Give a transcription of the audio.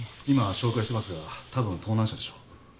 今照会してますがたぶん盗難車でしょう。